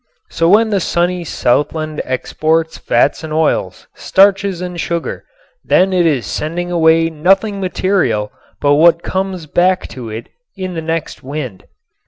So when the sunny southland exports fats and oils, starches and sugar, it is then sending away nothing material but what comes back to it in the next wind.